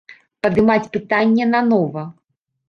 Падымаць пытанне на нова.